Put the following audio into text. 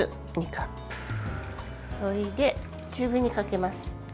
それで、中火にかけます。